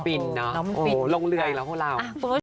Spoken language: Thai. ปิ่นเนอะโหลงเรืออีกแล้วพวกเรา